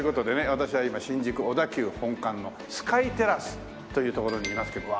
私は今新宿小田急本館のスカイテラスという所にいますけど。